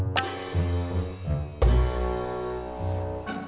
sisi bal burg nih